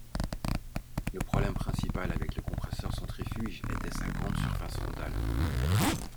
Le problème principal avec le compresseur centrifuge était sa grande surface frontale.